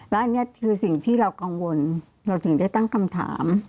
และอันนี้คือสิ่งที่เรากังวลเราถึงได้ตั้งคำถาม